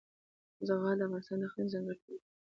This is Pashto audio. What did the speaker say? زغال د افغانستان د اقلیم ځانګړتیا ده.